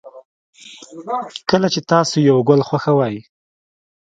کله چې تاسو یو گل خوښوئ